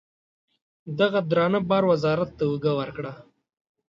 دغه درانه بار وزارت ته اوږه ورکړه.